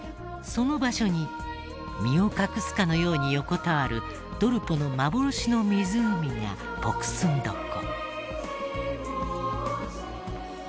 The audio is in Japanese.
その場所に身を隠すかのように横たわるドルポの幻の湖がポクスンド湖。